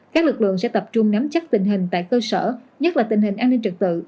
các lực lượng sẽ tập trung nắm chắc tình hình tại cơ sở nhất là tình hình an ninh trực tự